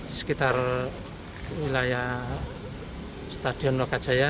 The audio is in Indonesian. di sekitar wilayah stadion lokajaya